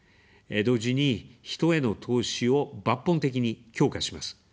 同時に、人への投資を抜本的に強化します。